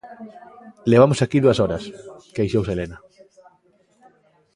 Levamos aquí dúas horas, _queixouse Helena.